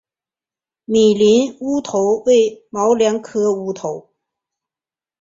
米林乌头为毛茛科乌头属下的一个种。